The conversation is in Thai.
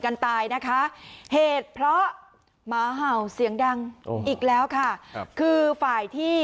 กันใตล์นะคะเหตุเพราะหาวเสียงดังอีกแล้วค่ะคือที่